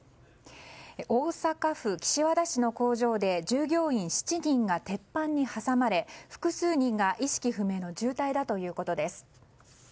大阪府岸和田市の工場で従業員７人が鉄板に挟まれ複数人が意識不明の重体だということです。